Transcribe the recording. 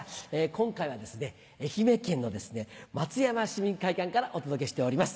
今回は愛媛県の松山市民会館からお届けしております。